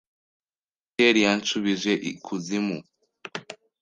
Flattery yanshubije ikuzimu